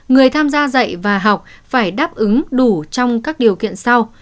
người tham gia dạy và học phải đáp ứng đủ trong các điều kiện sau